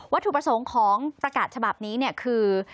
ถูกประสงค์ของประกาศฉบับนี้คือ